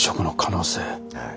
はい。